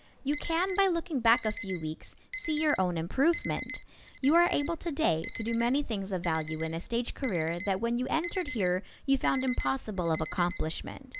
You can by looking back a few weeks see your own improvement. You are able today to do many things of value in a stage career that when you entered here you found impossible of accomplishment.